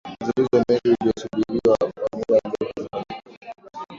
uzinduzi wa meli uliyosubiriwa kwa muda mrefu ulifanyika